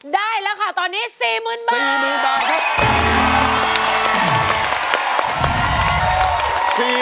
ได้แล้วค่ะตอนนี้๔๐๐๐๐บาท